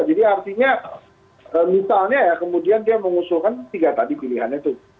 jadi artinya misalnya ya kemudian dia mengusulkan tiga tadi pilihannya tuh